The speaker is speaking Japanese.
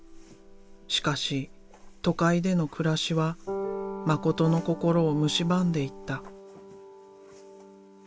しかし都会での暮らしは誠の心をむしばんでいった。